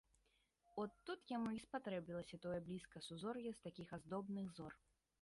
От тут яму й спатрэбілася тое блізкае сузор'е з такіх аздобных зор.